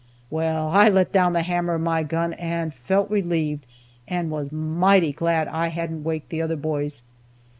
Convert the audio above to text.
Well, I let down the hammer of my gun, and felt relieved, and was mighty glad I hadn't waked the other boys.